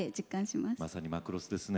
まさに「マクロス」ですね。